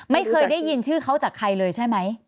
ไม่เคยได้ยินชื่อเขาจากใครเลยใช่ไหม